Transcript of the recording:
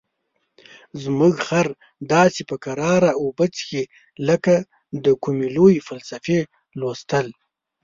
زموږ خر داسې په کراره اوبه څښي لکه د کومې لویې فلسفې لوستل.